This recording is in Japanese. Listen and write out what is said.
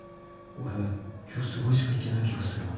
俺今日すごいしか言ってない気がするな